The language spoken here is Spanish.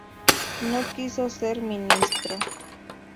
No quiso ser ministro.